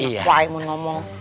hah enak lah emang ngomong